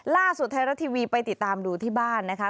ล่าสุดไทยรัฐทีวีไปติดตามดูที่บ้านนะคะ